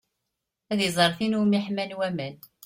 Ad iẓer tin iwumi ḥman waman.